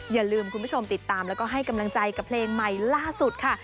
อย่าลืมคุณผู้ชมติดตามแล้วก็ให้กำลังใจกับเพลงใหม่ล่าสุดค่ะ